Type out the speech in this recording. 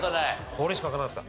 これしかわからなかった。